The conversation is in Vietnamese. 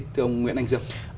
thưa ông nguyễn anh dương